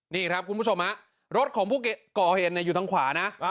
นี่ครับคุณผู้ชมรถของผู้ก่อเหตุอยู่ทางขวานะ